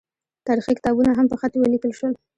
تاریخي کتابونه هم په خط ولیکل شول.